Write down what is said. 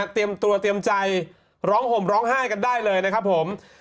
เตรียมตัวเตรียมใจร้องห่มร้องไห้กันได้เลยนะครับผม